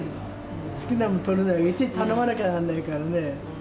好きなもの取れないし、いちいち頼まなきゃなんないからね。